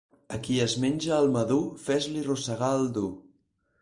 A qui es menja el madur, fes-li rosegar el dur.